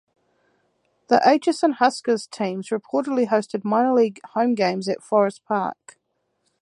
The Atchison Huskers teams reportedly hosted minor league home games at Forest Park.